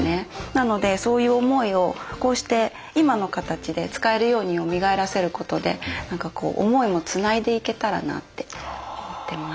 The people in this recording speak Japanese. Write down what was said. なのでそういう思いをこうして今の形で使えるようによみがえらせることで何かこう思いもつないでいけたらなって思ってます。